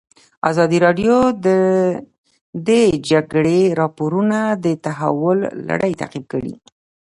ازادي راډیو د د جګړې راپورونه د تحول لړۍ تعقیب کړې.